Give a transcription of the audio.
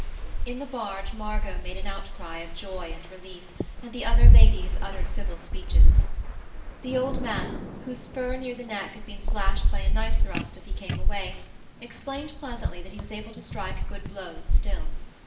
In the barge Margot made an outcry of joy and relief, and the other ladies uttered civil speeches. The old man, whose fur near the neck had been slashed by a knife thrust as he came away, explained pleasantly that he was able to strike good blows still.